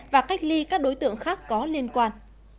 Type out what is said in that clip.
và cách ly các đối tượng khác có liên quan